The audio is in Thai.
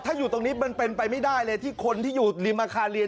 ถ้าอยู่ตรงนี้มันเป็นไปไม่ได้เลยที่คนที่อยู่ริมอาคารเรียน